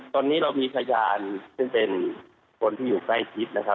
ตอนนี้เรามีขยานซึ่งเป็นคุณที่อยู่ใต้พิษ